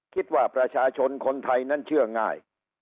คิดว่าประชาชนคนไทยนั้นเชื่อง่าย